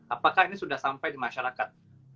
apakah ini sudah sampai di masyarakat